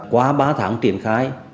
qua ba tháng triển khai